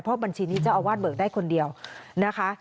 เพราะบัญชีนี้เจ้าอาวาสเบิกได้คนเดียวนะคะ